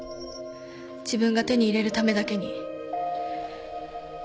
自分が手に入れるためだけに。